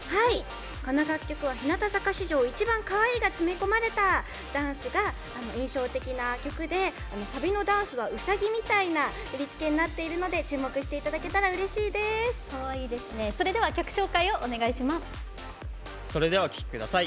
この楽曲は日向坂史上一番かわいいが詰め込まれたダンスが印象的な曲でサビのダンスは、うさぎみたいな振り付けになっているので注目していただけたらそれではお聴きください。